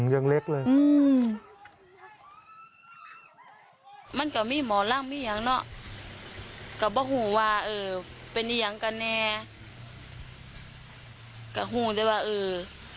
ยังเล็กเลยอืม